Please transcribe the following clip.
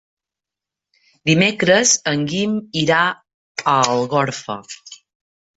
Dimecres en Guim irà a Algorfa.